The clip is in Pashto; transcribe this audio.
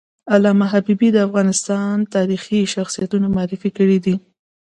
علامه حبیبي د افغانستان تاریخي شخصیتونه معرفي کړي دي.